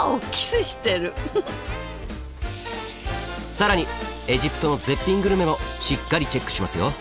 更にエジプトの絶品グルメもしっかりチェックしますよ。